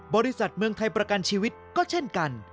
บริษัทเมืองไทยประกันชีวิตก็เช่นกัน